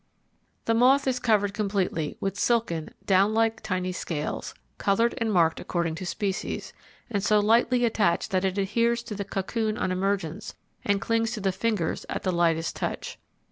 The moth is covered completely with silken down like tiny scales, coloured and marked according to species, and so lightly attached that it adheres to the cocoon on emergence and clings to the fingers at the lightest touch.